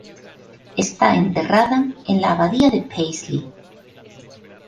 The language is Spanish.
Está enterrada en la abadía de Paisley.